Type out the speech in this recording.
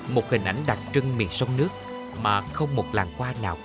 một hình ảnh đặc trưng miền sông nước mà không một làng hoa nào